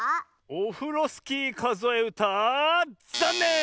「オフロスキーかぞえうた」ざんねん！